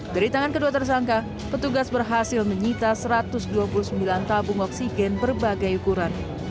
dari tangan kedua tersangka petugas berhasil menyita satu ratus dua puluh sembilan tabung oksigen berbagai ukuran